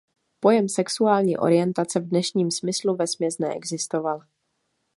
Pojem sexuální orientace v dnešním smyslu vesměs neexistoval.